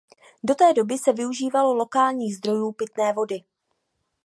Do té doby se využívalo lokálních zdrojů pitné vody.